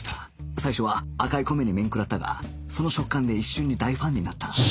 最初は赤い米に面食らったがその食感で一瞬に大ファンになった